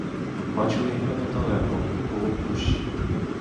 Бачили його недалеко, коло пущі.